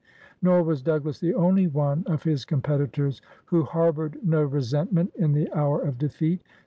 Nor was Doug las the only one of his competitors who harbored no resentment in the hour of defeat.